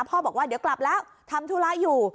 บอกว่าเดี๋ยวกลับแล้วทำธุระอยู่